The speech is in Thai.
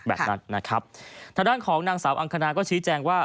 แบบนั้นนะครับทางด้านของนางสาวอังคณาก็ชี้แจงว่า